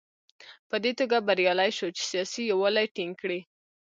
په دې توګه بریالی شو چې سیاسي یووالی ټینګ کړي.